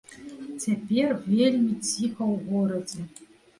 Цяпер вельмі ціха ў горадзе.